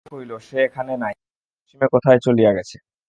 মহেন্দ্র কহিল, সে এখানে নাই, পশ্চিমে কোথায় চলিয়া গেছে।